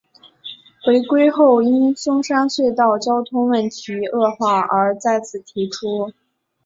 回归后因松山隧道交通问题恶化而再次提出。